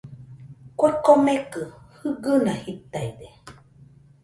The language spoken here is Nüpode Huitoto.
Kue komekɨ jɨgɨna jitaide.